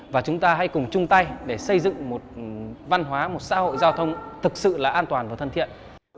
và chúng ta hãy cùng chung tay để xây dựng một văn hóa một xã hội giao thông thực sự là an toàn và thân thiện